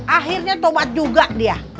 akhirnya tobat juga dia